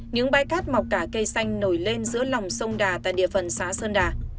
những bãi cát mọc cả cây xanh nổi lên giữa lòng sông đà tại địa phần xã sơn đà